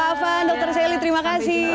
pak afan dr sally terima kasih